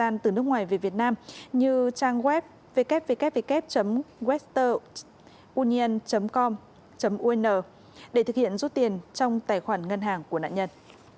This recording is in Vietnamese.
ngoài về việt nam như trang web www westernunion com un để thực hiện rút tiền trong tài khoản ngân hàng của nạn nhân